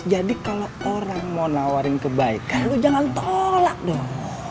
jadi kalo orang mau nawarin kebaikan lu jangan tolak dong